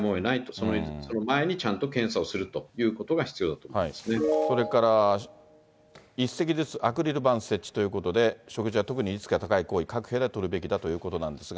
その前にちゃんと検査をするといそれから、１席ずつアクリル板設置ということで、食事は特にリスクが高い行為、各部屋で取るべきだということなんですが。